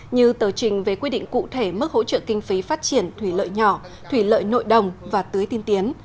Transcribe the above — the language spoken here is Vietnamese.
như tờ trình về quy định cụ thể mức hỗ trợ kinh phí phát triển thủy lợi nhỏ thủy lợi nội đồng và tưới tiên tiến